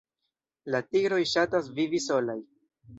La tigroj ŝatas vivi solaj.